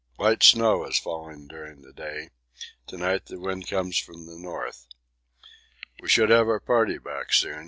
Light snow has fallen during the day to night the wind comes from the north. We should have our party back soon.